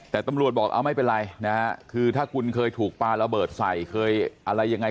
แต่ตำรวจบอกเอาไม่เป็นไรนะฮะคือถ้าคุณเคยถูกปลาระเบิดใส่เคยอะไรยังไง